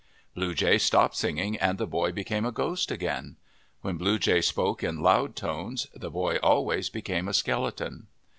Blue Jay stopped singing and the boy became a ghost again. When Blue Jay spoke in loud tones, the boy always became a skeleton.